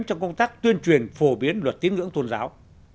trong công tác tuyên truyền phổ biến luật tiếng ngưỡng tôn giáo